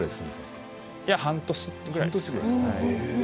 半年ぐらいです。